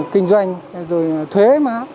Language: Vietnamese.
kinh doanh rồi thuế